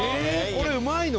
これうまいの？」